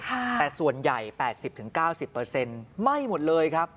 แต่ส่วนใหญ่๘๐๙๐ไหม้หมดเลยครับ